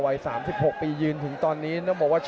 มาเป็นทางนี้ครับ